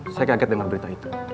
saya kaget dengan berita itu